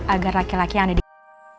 agar laki laki yang ada di